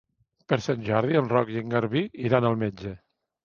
Per Sant Jordi en Roc i en Garbí iran al metge.